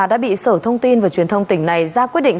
đã bị sở thông tin và truyền thông tỉnh này ra quyết định